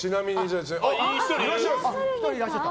１人いらっしゃった。